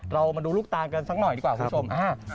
เรามาดูลูกตานกันสักหน่อยดีกว่าคุณผู้ชม